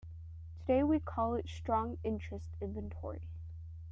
Today we call it the Strong Interest Inventory.